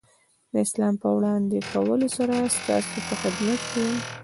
د سلام په وړاندې کولو سره ستاسې په خدمت کې یم.